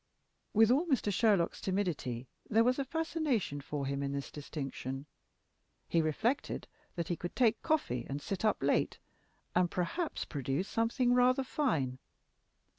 With all Mr. Sherlock's timidity, there was fascination for him in this distinction. He reflected that he could take coffee and sit up late, and perhaps produce something rather fine.